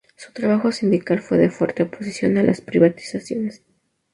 Su trabajo sindical fue de fuerte oposición a las privatizaciones.